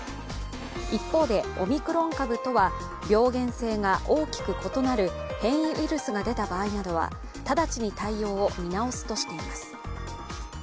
一方で、オミクロン株とは病原性が大きく異なる変異ウイルスが出た場合などは、ただちに対応を見直すとしています。